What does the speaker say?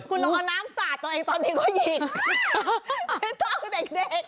คุณลองเอาน้ำสาดตัวเองตอนนี้ก็หยิก